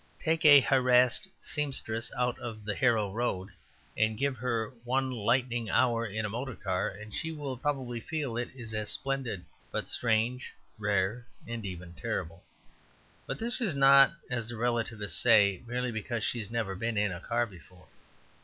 Take a harassed seamstress out of the Harrow Road and give her one lightning hour in a motorcar, and she will probably feel it as splendid, but strange, rare, and even terrible. But this is not (as the relativists say) merely because she has never been in a car before.